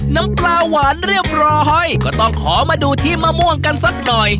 น้ำปลาหวานเรียบร้อยก็ต้องขอมาดูที่มะม่วงกันสักหน่อย